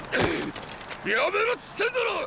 やめろっつってんだろ！！